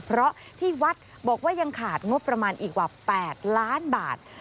เพราะที่วัดบอกว่ายังขาดงบประมาณอีกกว่า๘ล้านบาท